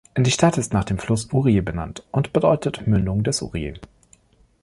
Die Stadt ist nach dem Fluss Urie benannt und bedeutet „Mündung des Urie“.